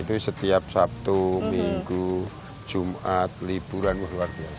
itu setiap sabtu minggu jumat liburan luar biasa